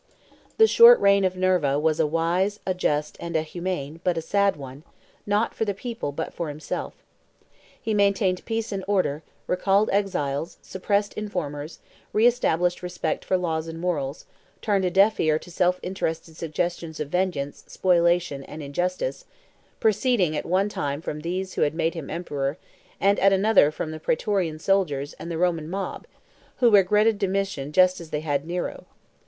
The short reign of Nerva was a wise, a just, and a humane, but a sad one, not for the people, but for himself. He maintained peace and order, recalled exiles, suppressed informers, re established respect for laws and morals, turned a deaf ear to self interested suggestions of vengeance, spoliation, and injustice, proceeding at one time from those who had made him emperor, at another from the Praetorian soldiers and the Roman mob, who regretted Domitian just as they had Nero.